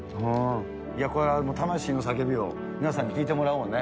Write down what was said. いや、これは魂の叫びを皆さんに聞いてもらおうね。